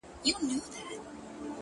o سپين گل د بادام مي د زړه ور مـات كړ،